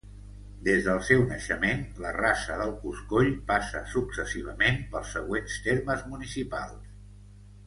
Des del seu naixement, la Rasa del Coscoll passa successivament pels següents termes municipals.